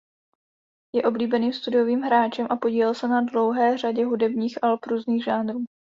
Je oblíbeným studiovým hráčem a podílel se na dlouhé řadě hudebních alb různých žánrů.